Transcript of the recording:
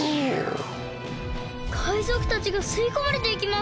海賊たちがすいこまれていきます！